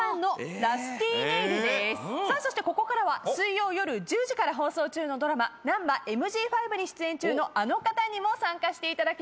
そしてここからは水曜夜１０時から放送中のドラマ『ナンバＭＧ５』に出演中のあの方にも参加していただきます。